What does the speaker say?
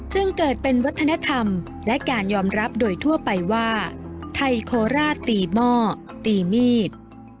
จึงเกิดเป็นวัฒนธรรมและการยอมรับโดยทั่วไปว่าไทยโคราชตีหม้อตีมีด